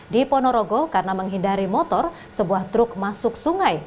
di ponorogo karena menghindari motor sebuah truk masuk sungai